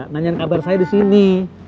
nanyain kabar saya disini